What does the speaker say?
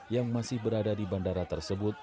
yang masih berada di bandara tersebut